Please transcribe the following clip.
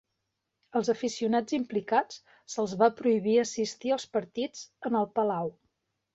Als aficionats implicats se'ls va prohibir assistir als partits en el Palau.